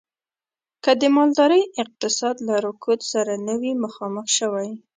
که د مالدارۍ اقتصاد له رکود سره نه وی مخامخ شوی.